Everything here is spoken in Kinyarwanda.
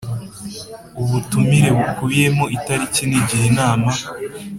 Ubutumire bukubiyemo itariki n igihe inama